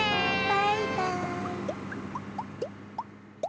バイバーイ。